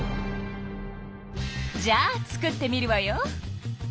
じゃあ作ってみるわよ。